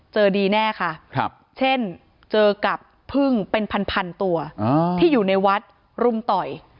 เจอดีแน่ค่ะเช่นเจอกับพึ่งเป็นพันตัวที่อยู่ในวัดรุมต่อย